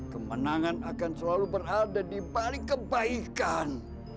kemenangan akan selalu berada dibalik kebaikan